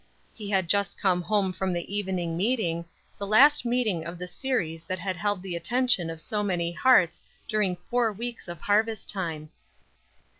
He had just come home from the evening meeting, the last meeting of the series that had held the attention of so many hearts during four weeks of harvest time.